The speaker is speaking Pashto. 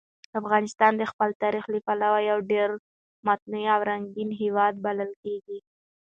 افغانستان د خپل تاریخ له پلوه یو ډېر متنوع او رنګین هېواد بلل کېږي.